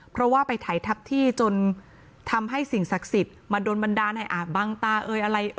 เพราะว่าไปไถทับที่จนทำให้สิ่งศักดิ์สิทธิ์มาโดนบันดาลให้อาบบังตาเอ่ยอะไร